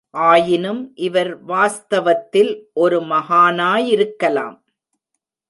ஆயினும் இவர் வாஸ்தவத்தில் ஒரு மஹானாயிருக்கலாம்!